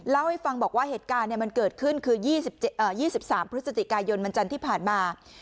เล่าให้ฟังบอกว่าเหตุการณ์มันเกิดขึ้นคือ๒๓พฤศจิกายนวันจันทร์ที่ผ่านมา